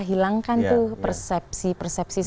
hilangkan tuh persepsi persepsi